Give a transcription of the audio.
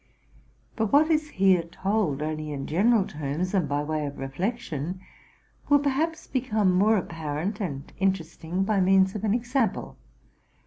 But what is here told only in general terms, and by way of reflection, will perhaps become more apparent and interesting by means of an example.